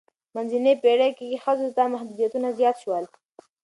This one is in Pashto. منځنۍ پیړۍ کې ښځو ته محدودیتونه زیات شول.